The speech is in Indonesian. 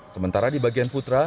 sementara di bagian putra